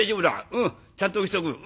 うんちゃんとしとく。